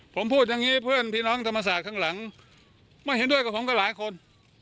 ผมพูดอย่างนี้เพื่อนพี่น้องธรรมศาสตร์ข้างหลังไม่เห็นด้วยกับผมกับหลายคน